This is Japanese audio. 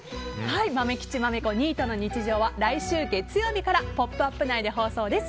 「まめきちまめこニートの日常」は来週月曜日から「ポップＵＰ！」内で放送です。